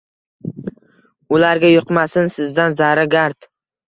Ularga yuqmasin sizdan zarra gard